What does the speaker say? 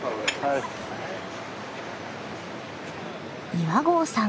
岩合さん